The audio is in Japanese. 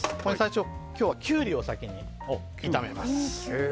今日はキュウリを先に炒めます。